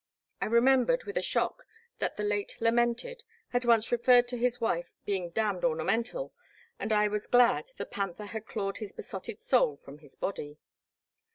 I remembered with a shock that the late lamented had once referred to his wife's being d nd ornamental, and I was glad the panther had clawed his besotted soul from his body.